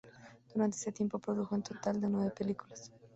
Durante ese tiempo produjo un total de nueve películas.